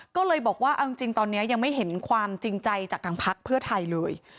ก็เลยบอกว่าเอาจริงตอนนี้ยังไม่เห็นความจริงใจจากทางพักเพื่อไทยเลย